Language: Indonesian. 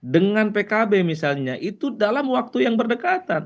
dengan pkb misalnya itu dalam waktu yang berdekatan